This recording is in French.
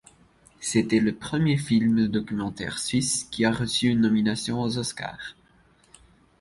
C'était le premier film documentaire suisse qui a reçu une nomination aux Oscars.